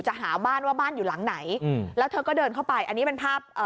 หาบ้านว่าบ้านอยู่หลังไหนอืมแล้วเธอก็เดินเข้าไปอันนี้เป็นภาพเอ่อ